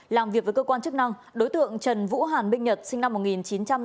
làm việc với cơ quan chức năng đối tượng trần vũ hàn minh nhật sinh năm một nghìn chín trăm tám mươi